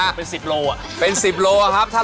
ศักดิ์ชายเนี่ยนะครับว่า